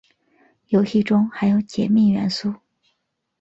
游戏中含有解密元素。